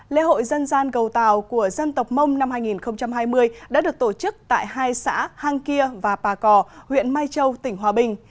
lễ hội dân gian cầu tàu của dân tộc mông năm hai nghìn hai mươi đã được tổ chức tại hai xã hang kia và pà cò huyện mai châu tỉnh hòa bình